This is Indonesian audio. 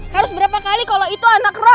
harus berapa kali kalau itu anak rok